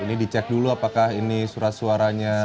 ini dicek dulu apakah ini surat suaranya